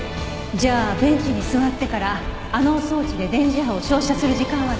じゃあベンチに座ってからあの装置で電磁波を照射する時間はなかった。